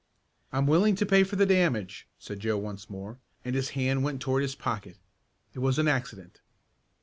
"I'm willing to pay for the damage," said Joe once more, and his hand went toward his pocket. "It was an accident."